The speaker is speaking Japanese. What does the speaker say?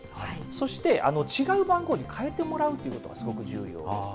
そして違う番号に変えてもらうということがすごく重要です。